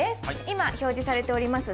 今表示されております